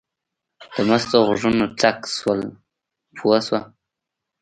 د مستو غوږونه څک شول پوه شوه.